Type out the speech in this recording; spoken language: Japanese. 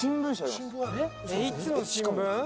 いつの新聞？